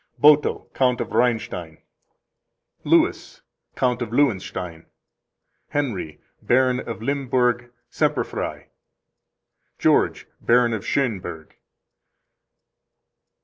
Boto, Count of Reinstein. Louis, Count of Lewenstein. Henry, Baron of Limburg, Semperfrei. George, Baron of Schoenburg.